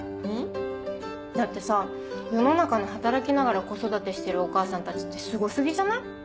ん？だってさ世の中の働きながら子育てしてるお母さんたちってすご過ぎじゃない？